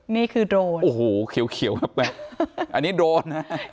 นี่คือโดรนโอ้โหเขียวแป๊บอันนี้โดรนนะ